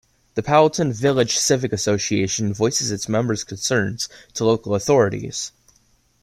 The Powelton Village Civic Association voices its members' concerns to local authorities.